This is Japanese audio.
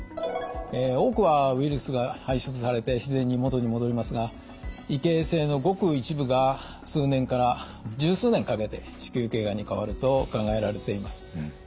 多くはウイルスが排出されて自然に元に戻りますが異形成のごく一部が数年から１０数年かけて子宮頸がんに変わると考えられています。